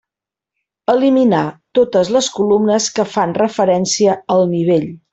Eliminar totes les columnes que fan referència al Nivell.